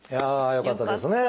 よかったです。